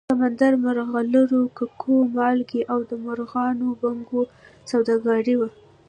سمندري مرغلرو، ککو، مالګې او د مرغانو بڼکو سوداګري وه